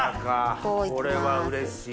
これはうれしい。